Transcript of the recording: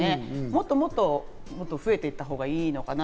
もっともっと、増えていたほうがいいのかな？